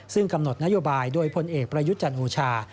ซึ่งกำหนดนโยบายโดยพลเอกประยุทธ์จันทร์โอชา